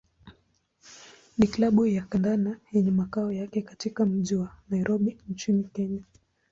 ni klabu ya kandanda yenye makao yake katika mji wa Nairobi nchini Kenya.